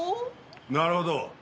なるほど。